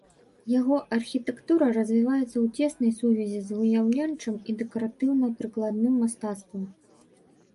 Яго архітэктура развіваецца ў цеснай сувязі з выяўленчым і дэкаратыўна-прыкладным мастацтвам.